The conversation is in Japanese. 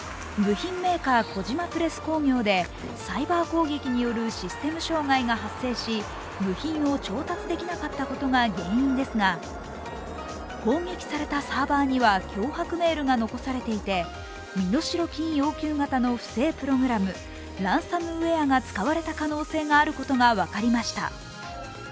部品メーカー、小島プレス工業でサイバー攻撃によるシステム障害が発生し、部品を調達できなかったことが原因ですが、攻撃されたサーバーには脅迫メールが残されていて身代金要求型の不正プログラムランサムウエアが使われた可能性があることが分かりました。